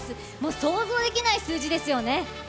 想像できない数字ですよね。